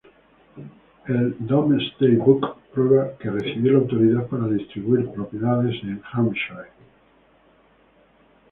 El Domesday Book prueba que recibió la autoridad para distribuir propiedades en Hampshire.